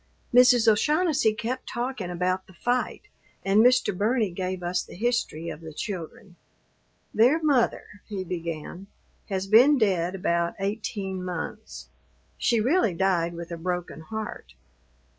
Mrs. O'Shaughnessy kept talking about the fight, and Mr. Burney gave us the history of the children. "Their mother," he began, "has been dead about eighteen months. She really died with a broken heart.